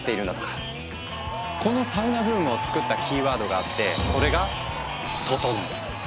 このサウナブームをつくったキーワードがあってそれが「ととのう」。